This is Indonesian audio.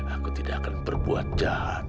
aku tidak akan berbuat jahat